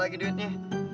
pas lagi duitnya